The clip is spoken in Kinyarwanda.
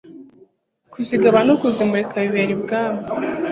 kuzigaba no kuzimurika bibera ibwami